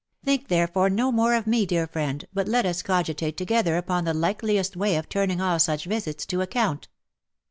Think therefore no more of me, dear friend, but let us cogitate together upon the likeliest way of turning all such visits to account."